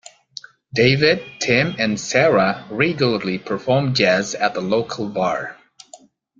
David, Tim and Sarah regularly perform jazz at the local bar.